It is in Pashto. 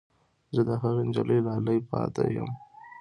زه د هغې نجلۍ لالی پاتې یم